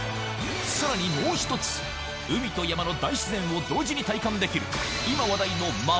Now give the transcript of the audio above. さらにもう１つ海と山の大自然を同時に体感できる